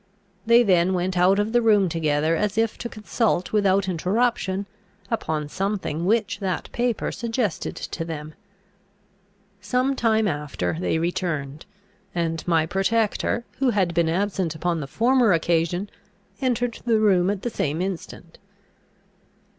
They then went out of the room together, as if to consult without interruption upon something which that paper suggested to them. Some time after they returned; and my protector, who had been absent upon the former occasion, entered the room at the same instant.